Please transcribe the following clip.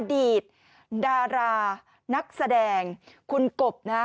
อดีตดารานักแสดงคุณกบนะฮะ